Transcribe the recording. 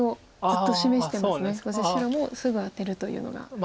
そして白もすぐアテるというのが。